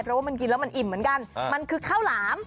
เพราะว่ามันกินแล้วมันอิ่มเหมือนกันมันคือข้าวหลาม